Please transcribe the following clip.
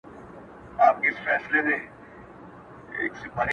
نه جوړ کړی کفن کښ پر چا ماتم وو!.